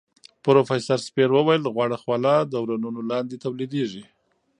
پروفیسوره سپېر وویل غوړه خوله د ورنونو لاندې تولیدېږي.